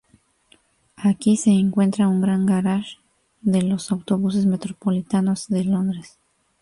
Aquí se encuentra un gran garaje de los Autobuses Metropolitanos de Londres.